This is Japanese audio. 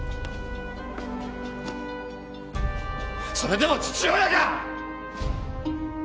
それでも父親か！